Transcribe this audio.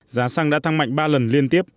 giá xăng đã tăng mạnh ba lần liên tiếp